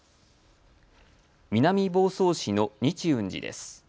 南房総市の日運寺です。